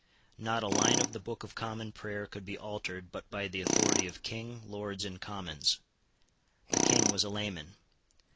Not a line of the Book of Common Prayer could be altered but by the authority of King, Lords, and Commons. The King was a layman.